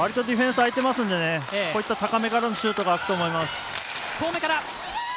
ディフェンス空いているのでこういった高めからのシュートがあくと思います。